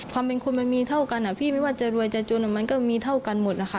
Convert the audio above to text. ความเป็นคนมันมีเท่ากันอ่ะพี่ไม่ว่าจะรวยจะจนมันก็มีเท่ากันหมดนะคะ